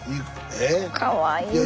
かわいいね。